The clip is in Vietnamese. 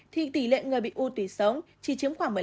thì tỷ lệ người bị u tủy sống chỉ chiếm khoảng một mươi năm